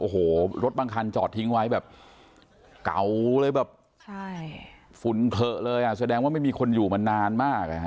โอ้โหรถบางคันจอดทิ้งไว้แบบเก่าเลยแบบใช่ฝุ่นเถอะเลยอ่ะแสดงว่าไม่มีคนอยู่มานานมาก